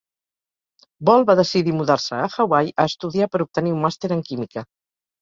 Ball va decidir mudar-se a Hawaii a estudiar per obtenir un màster en química.